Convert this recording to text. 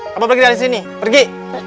kamu pergi dari sini pergi